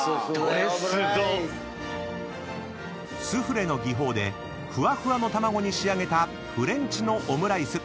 ［スフレの技法でふわふわの卵に仕上げたフレンチのオムライス］